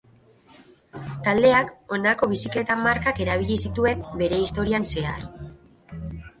Taldeak honako bizikleta markak erabili zituen bere historian zehar.